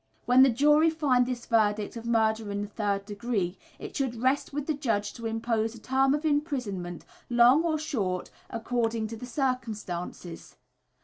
When the jury find this verdict of murder in the third degree it should rest with the judge to impose a term of imprisonment, long or short, according to the circumstances.